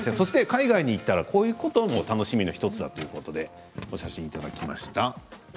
海外に行ったら、こういうことも楽しみの１つということで写真をいただきました。